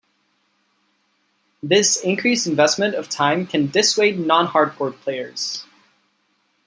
This increased investment of time can dissuade non-hardcore players.